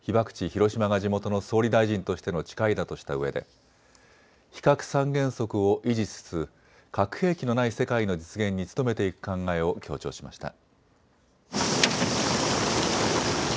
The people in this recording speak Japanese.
・広島が地元の総理大臣としての誓いだとしたうえで、非核三原則を維持しつつ核兵器のない世界の実現に努めていく考えを強調しました。